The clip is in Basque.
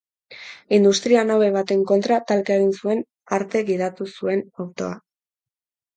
Industria-nabe baten kontra talka egin zuen arte gidatu zuen autoa.